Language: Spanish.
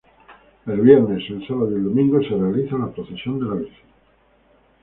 El viernes, el sábado y el domingo se realiza la Procesión de la Virgen.